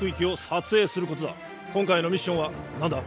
今回のミッションは何だ？